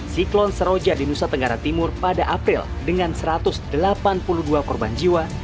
siklon seroja di nusa tenggara timur pada april dengan satu ratus delapan puluh dua korban jiwa